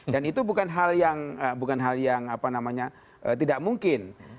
itu bukan hal yang tidak mungkin